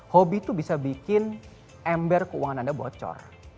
hobi itu bisa bikin ember keuangan anda bocor